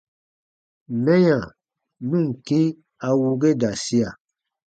Mɛya nu ǹ kĩ a wuu ge da sia.